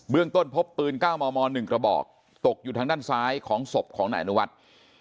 เมืองต้นพบปืนเก้ามมหนึ่งกระบอกตกอยู่ทางด้านซ้ายของศพของนายอนุวัฒน์